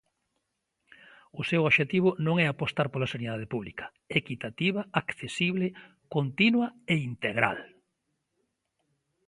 O seu obxectivo non é apostar pola sanidade pública, equitativa, accesible, continua e integral.